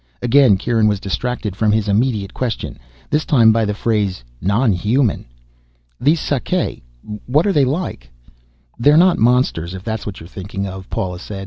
Again, Kieran was distracted from his immediate question this time by the phrase "Non human". "These Sakae what are they like?" "They're not monsters, if that's what you're thinking of," Paula said.